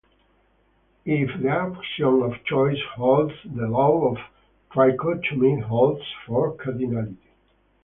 If the axiom of choice holds, the law of trichotomy holds for cardinality.